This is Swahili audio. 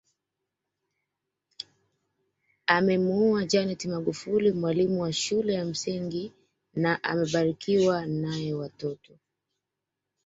Amemuoa Janet Magufuli mwalimu wa shule ya msingi na amebarikiwa nae watoto